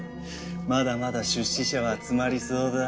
まだまだ出資者は集まりそうだ。